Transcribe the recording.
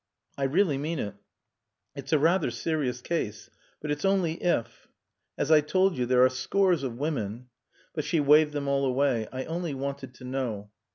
"I really mean it. It's a rather serious case. But it's only 'if.' As I told you, there are scores of women " But she waived them all away. "I only wanted to know."